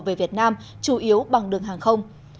về việt nam chủ yếu bằng đường hàng không